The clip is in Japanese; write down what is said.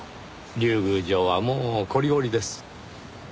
竜宮城はもうこりごりです。